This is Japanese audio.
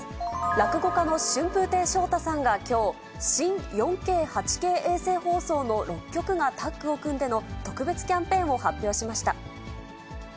落語家の春風亭昇太さんがきょう、新４Ｋ８Ｋ衛星放送の６局がタッグを組んでの、特別キャンペーンを発表しました。